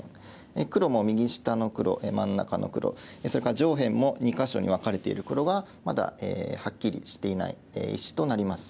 黒も右下の黒真ん中の黒それから上辺も２か所に分かれている黒がまだはっきりしていない石となります。